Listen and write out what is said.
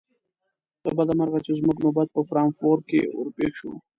له بده مرغه چې زموږ نوبت پر فرانکفورت ور پیښ شو.